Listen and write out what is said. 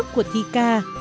của thi ca